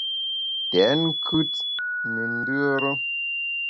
Tèt nkùt ne ndùere.